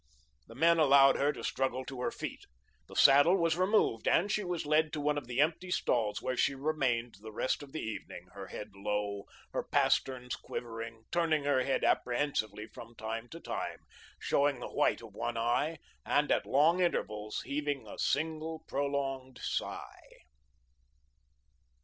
The men allowed her to struggle to her feet. The saddle was removed and she was led to one of the empty stalls, where she remained the rest of the evening, her head low, her pasterns quivering, turning her head apprehensively from time to time, showing the white of one eye and at long intervals heaving a single prolonged sigh.